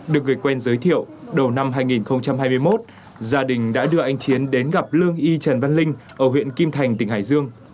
được người quen giới thiệu đầu năm hai nghìn hai mươi một gia đình đã đưa anh chiến đến gặp lương y trần văn linh ở huyện kim thành tỉnh hải dương